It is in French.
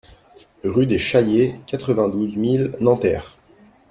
Rue des Chailliers, quatre-vingt-douze mille Nanterre